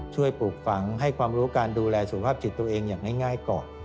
ปลูกฝังให้ความรู้การดูแลสุขภาพจิตตัวเองอย่างง่ายก่อน